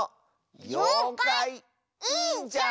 「ようかいいいじゃん」！